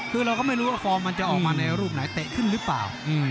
คือเราก็ไม่รู้ว่าฟอร์มมันจะออกมาในรูปไหนเตะขึ้นหรือเปล่า